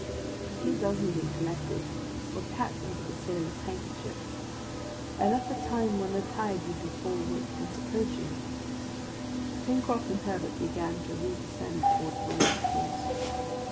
A few dozen being collected, were packed in the sailor's handkerchief, and as the time when the tide would be full was approaching, Pencroft and Herbert began to redescend towards the watercourse.